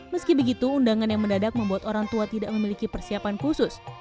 meski begitu undangan yang mendadak membuat orang tua tidak memiliki persiapan khusus